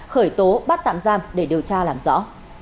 khởi tố bắt tạm giam để điều tra làm rõ